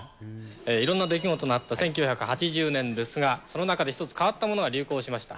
いろんな出来事のあった１９８０年ですが、その中で一つ、変わったものが流行しました。